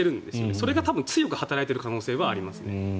それが強く働いている可能性はありますね。